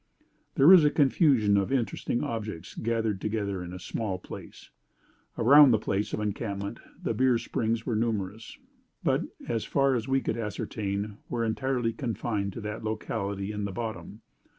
There is a confusion of interesting objects gathered together in a small space. Around the place of encampment the Beer Springs were numerous; but, as far as we could ascertain, were entirely confined to that locality in the bottom.